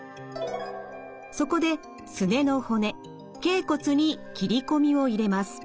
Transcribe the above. そこですねの骨けい骨に切り込みを入れます。